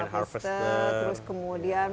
harvester terus kemudian